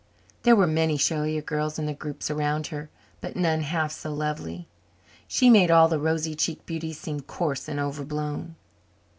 There were many showier girls in the groups around her, but none half so lovely. She made all the rosy cheeked beauties seem coarse and over blown.